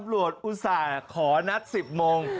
ตำรวจอุตส่าห์ขอนัส๑๐โมง